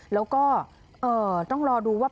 แล้วก็ต้องรอดูว่า